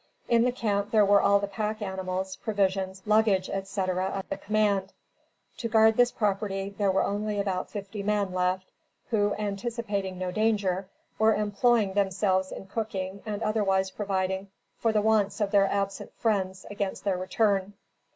In the camp there were all the pack animals, provisions, luggage etc., of the command. To guard this property there were only about fifty men left, who, anticipating no danger, were employing themselves in cooking and otherwise providing for the wants of their absent friends against their return.